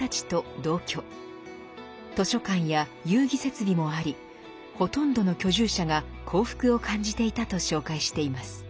図書館や遊戯設備もありほとんどの居住者が幸福を感じていたと紹介しています。